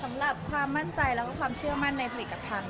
สำหรับความมั่นใจและความเชื่อมั่นในผลิกฐาน